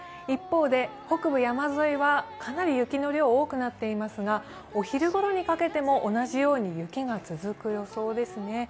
一方で、北部山沿いはかなり雪の量が多くなっていますが、お昼ごろにかけても同じように雪が続く予想ですね。